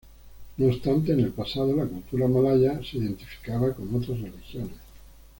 No obstante, en el pasado la cultura malaya se identificaba con otras religiones.